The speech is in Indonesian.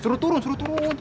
suruh turun suruh turun